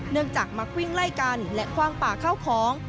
จากมักวิ่งไล่กันและคว่างป่าเข้าของ